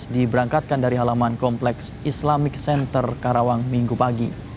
diberangkatkan dari halaman kompleks islamic center karawang minggu pagi